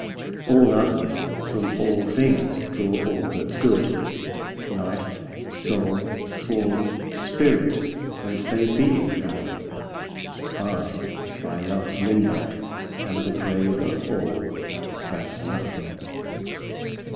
All others, from all things, draw all that's good, Life, soule, forme, spirit, whence they beeing have; I, by loves limbecke, am the grave Of all, that's nothing.